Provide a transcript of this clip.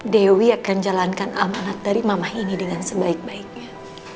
dewi akan jalankan amanat dari mamah ini dengan sebaik baiknya